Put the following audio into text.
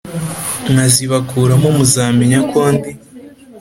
Nkazibakuramo muzamenya ko ndi